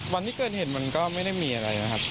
วันที่เกิดเหตุมันก็ไม่ได้มีอะไรนะครับ